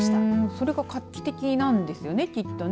それが画期的なんですよねきっと。